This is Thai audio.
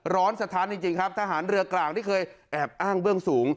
สถานจริงครับทหารเรือกลางที่เคยแอบอ้างเบื้องสูง